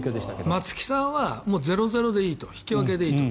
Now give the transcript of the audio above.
松木さんは０−０でいいと引き分けでいいと。